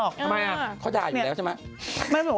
ทำไมอ่ะเขาจะอ่านอยู่แล้วใช่มั้ย